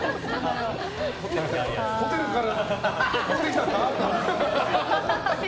ホテルから持ってきたのか？